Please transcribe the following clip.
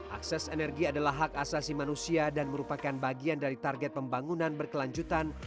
akses energi adalah hak asasi manusia dan merupakan bagian dari target pembangunan berkelanjutan